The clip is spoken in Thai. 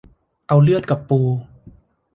เอาเลือดกับปู